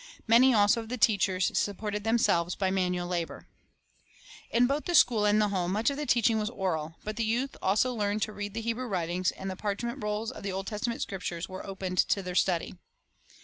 Many also of the teachers supported themselves by manual labor. In both the school and the home much of the teach ing was oral; but the youth also learned to read the Hebrew writings, and the parchment rolls of the Old Testament Scriptures were open to their study.